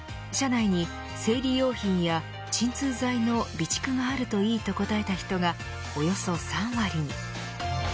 社内に生理用品や鎮痛剤の備蓄があるといいと答えた人がおよそ３割に。